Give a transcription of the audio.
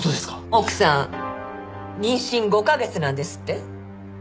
奥さん妊娠５カ月なんですって？